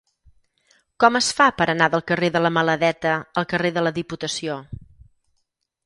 Com es fa per anar del carrer de la Maladeta al carrer de la Diputació?